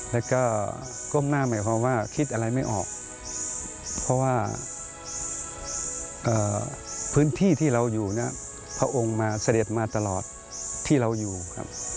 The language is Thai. แล้วก็ก้มหน้าหมายความว่าคิดอะไรไม่ออกเพราะว่าพื้นที่ที่เราอยู่เนี่ยพระองค์มาเสด็จมาตลอดที่เราอยู่ครับ